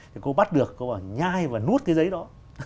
thì cô bắt được cô bảo nhai và nuốt cái giấy đó